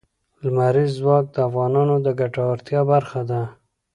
لمریز ځواک د افغانانو د ګټورتیا برخه ده.